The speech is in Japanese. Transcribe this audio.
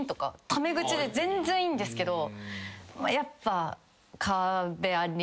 タメ口で全然いいんですけどやっぱ。